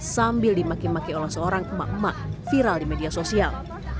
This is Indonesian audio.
sambil dimaki maki oleh seorang emak emak viral di media sosial